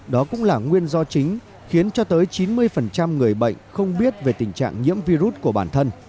đó cũng là nguyên do chính khiến cho tới chín mươi người bệnh không biết về tình trạng nhiễm virus của bản thân